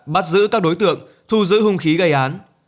bắt giữ các đối tượng thu giữ hung khí gây án